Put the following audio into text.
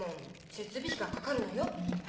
設備費がかかるのよ。